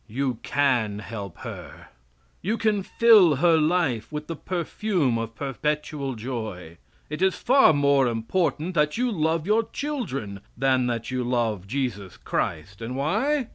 You can help her. You can fill her life with the perfume of perpetual joy. It is far more important that you love your children than that you love Jesus Christ. And why?